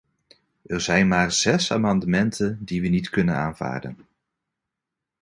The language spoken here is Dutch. Er zijn maar zes amendementen die we niet kunnen aanvaarden.